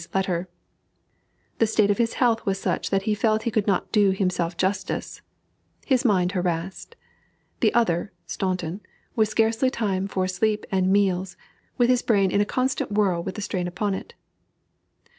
's" letter: "The state of his health was such that he felt he could not do himself justice" "his mind harassed" "the other (Staunton) with scarcely time for sleep and meals, with his brain in a constant whirl with the strain upon it."